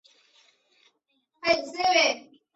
粟末靺鞨得名。